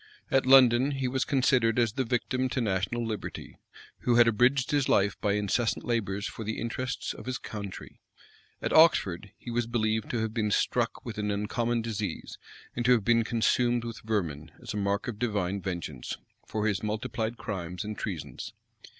At London, he was considered as the victim to national liberty, who had abridged his life by incessant labors for the interests of his country:[] at Oxford, he was believed to have been struck with an uncommon disease, and to have been consumed with vermin, as a mark of divine vengeance, for his multiplied crimes and treasons.